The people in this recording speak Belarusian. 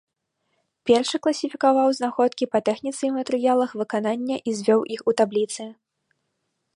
Першы класіфікаваў знаходкі па тэхніцы і матэрыялах выканання і звёў іх у табліцы.